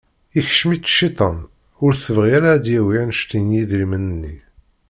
Ikcem-itt cciṭan, ur tebɣi ara ad yawwi anect n yedrimen-nni.